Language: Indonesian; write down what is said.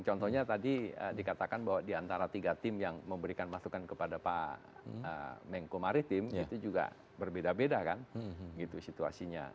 contohnya tadi dikatakan bahwa diantara tiga tim yang memberikan masukan kepada pak menko maritim itu juga berbeda beda kan gitu situasinya